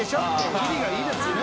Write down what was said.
田渕）キリがいいですしね。